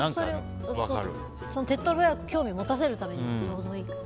手っ取り早く興味を持たせるためにちょうどいいかも。